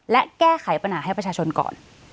และแก้ไขปัญหาให้ประชาชนก่อน